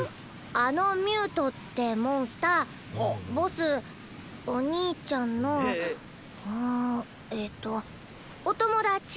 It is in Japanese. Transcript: あのミュートってモンスターボスお兄ちゃんのうんえっとお友達？